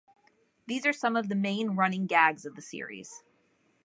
These are some of the main running gags of the series.